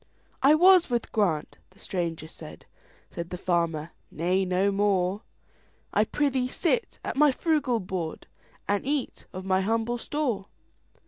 "I was with Grant"—the stranger said; Said the farmer, "Nay, no more,—I prithee sit at my frugal board, And eat of my humble store.